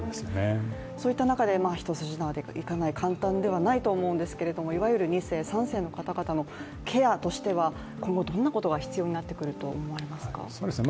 そういった中で一筋縄でいかない簡単ではないと思うんですけども、いわゆる２世、３世の方々のケアとしては今後、どんなことが必要になってくると思われますか？